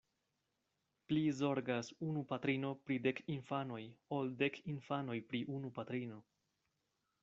Pli zorgas unu patrino pri dek infanoj, ol dek infanoj pri unu patrino.